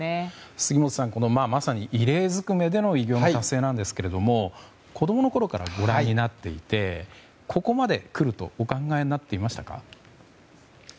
杉本さんまさに異例ずくめでの偉業達成なんですけども子供のころからご覧になっていてここまでくるとお考えになっていましたか。